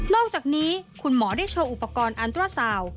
อกจากนี้คุณหมอได้โชว์อุปกรณ์อันตราสาว